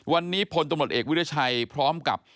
วันนี้พลตำรวจเอกวิทยาชัยพร้อมกับ